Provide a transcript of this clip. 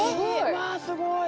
わあすごい。